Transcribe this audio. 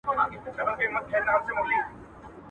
اوبه خړوي، ماهيان پکښي نيسي .